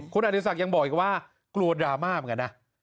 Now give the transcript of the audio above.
ครูอดีตศักดิ์ยังบอกอีกว่ากลัวดราม่ากันอะ